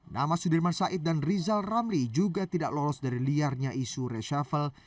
nama sudirman said dan rizal ramli juga tidak lolos dari liarnya isu reshuffle